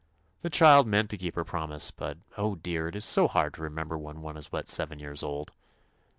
The child meant to keep her promise, but, oh, dear I it is so hard to remember when one is but seven years old.